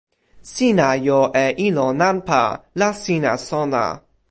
sina jo e ilo nanpa, la sina sona.